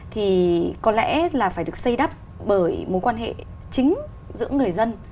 thì có lẽ là phải được xây đắp bởi mối quan hệ chính giữa người dân